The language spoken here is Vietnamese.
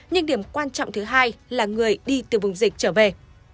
nhưng điểm quan trọng thứ hai là người đi từ vùng dịch trở về